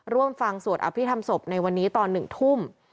ร่วมฟังสวดอภิษฐรรมศพในวันนี้ตอน๑ทุ่ม